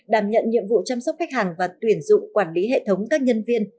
đảm nhận nhiệm vụ chăm sóc khách hàng và tuyển dụng quản lý hệ thống các nhân viên